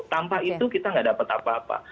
tanpa itu kita gak dapat apa apa